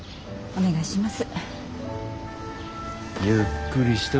お願いします。